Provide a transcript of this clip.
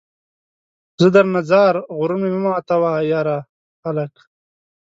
زه درنه ځار ، غرور مې مه ماتوه ، یاره ! خلک